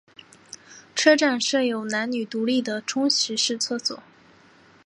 车站设有男女独立的冲洗式厕所。